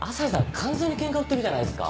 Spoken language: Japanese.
完全にケンカ売ってるじゃないですか。